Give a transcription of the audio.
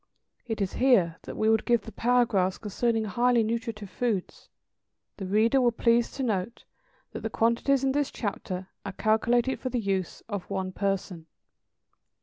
It is here that we would give the paragraphs concerning highly nutritive foods. The reader will please to note that the quantities in this chapter are calculated for the use of one person.